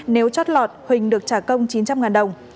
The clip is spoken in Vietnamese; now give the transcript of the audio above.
nếu chót lọt huỳnh được trả công chín trăm linh đồng